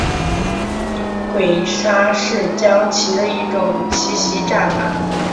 鬼杀是将棋的一种奇袭战法。